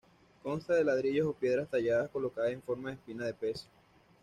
Consta de ladrillos o piedras talladas, colocadas en forma de espina de pez.